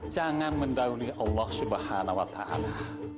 jangan mendahului allah subhanahu wa ta'ala